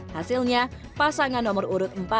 hasilnya pasangan nomor urut empat